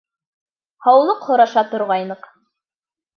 Һаулыҡ һораша торғайныҡ.